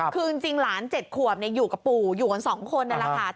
คือจริงหลาน๗ขวบอยู่กับปู่อยู่กัน๒คนนี่แหละค่ะ